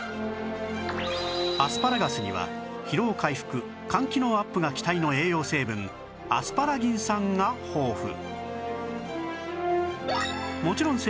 アスパラガスには疲労回復肝機能アップが期待の栄養成分アスパラギン酸が豊富